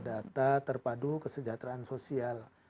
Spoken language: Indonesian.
data terpadu kesejahteraan sosial